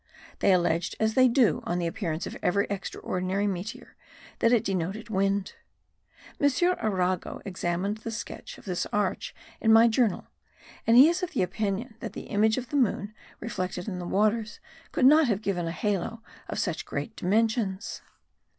They alleged, as they do on the appearance of every extraordinary meteor, that it denoted wind. M. Arago examined the sketch of this arch in my journal; and he is of opinion that the image of the moon reflected in the waters could not have given a halo of such great dimensions.